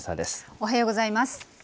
おはようございます。